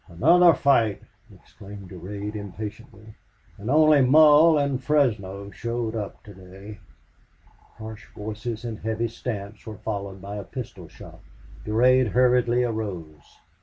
"Another fight!" exclaimed Durade, impatiently. "And only Mull and Fresno showed up to day." Harsh voices and heavy stamps were followed by a pistol shot. Durade hurriedly arose.